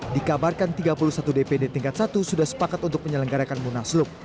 dikabarkan tiga puluh satu dpd tingkat satu sudah sepakat untuk menyelenggarakan munaslup